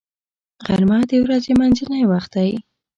غرمه د ورځې منځنی وخت دی